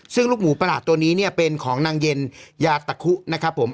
ซึ่งลูกหมูประหลาดตัวนี้เนี่ยเป็นของนางเย็นยาตะคุนะครับผม